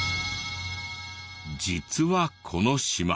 実はこの島。